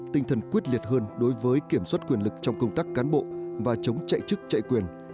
tinh thần quyết liệt hơn đối với kiểm soát quyền lực trong công tác cán bộ và chống chạy chức chạy quyền